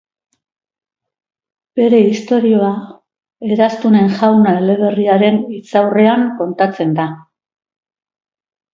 Bere istorioa, Eraztunen Jauna eleberriaren hitzaurrean kontatzen da.